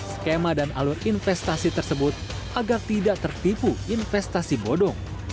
skema dan alur investasi tersebut agar tidak tertipu investasi bodong